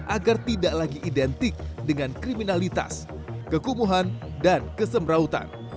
agar tidak lagi identik dengan kriminalitas kekumuhan dan kesemrautan